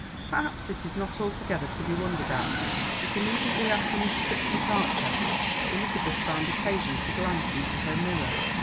Perhaps it is not altogether to be wondered at that immediately after Miss Tripp's departure Elizabeth found occasion to glance into her mirror.